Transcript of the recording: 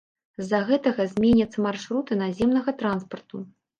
З-за гэтага зменяцца маршруты наземнага транспарту.